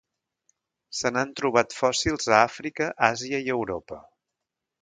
Se n'han trobat fòssils a Àfrica, Àsia i Europa.